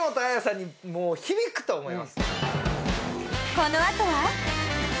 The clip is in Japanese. このあとは？